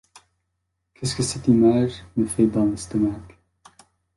Qu'est-ce que cette image me fait dans l'estomac.